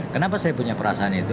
kenapa saya punya perasaan itu